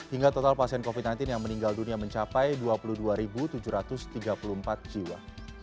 hingga total pasien covid sembilan belas yang meninggal dunia mencapai dua puluh dua tujuh ratus tiga puluh empat jiwa